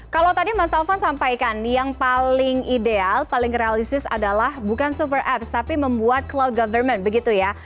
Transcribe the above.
kalau tadi mas alvan sampaikan yang paling ideal paling realistis adalah bukan super apps tapi membuat cloud government begitu ya